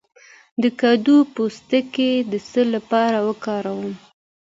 د کدو پوستکی د څه لپاره وکاروم؟